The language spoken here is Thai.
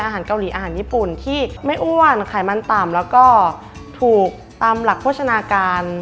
อาหารเกาหลีอาหารญี่ปุ่นที่ไม่อ้วนไขมันต่ำแล้วก็ถูกตามหลักโภชนาการ